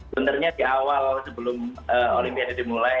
benarnya di awal sebelum olimpiade dimulai